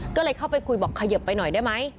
ก็เลยเข้าไปคุยบอกขยิบไปหน่อยได้ไหม